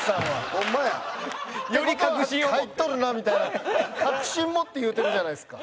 ホンマや。って事は入っとるなみたいな確信持って言うてるじゃないですか。